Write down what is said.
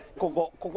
ここ。